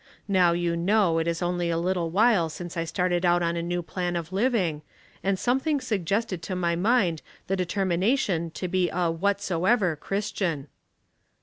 Now you know it is only a little while since I started out on a new plan of living, and something suggest ed to my mind the determination to be a ' what soever' Christian."